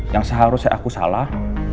yang seharusnya aku salah